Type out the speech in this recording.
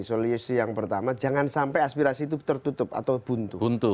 solusi yang pertama jangan sampai aspirasi itu tertutup atau buntu